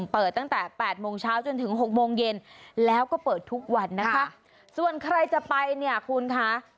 เปิดตั้งแต่๘โมงเช้าจนถึงหกโมงเย็นแล้วก็เปิดทุกวันนะคะส่วนใครจะไปเนี่ยคุณคะ